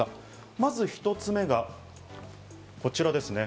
まず１つ目がこちらですね。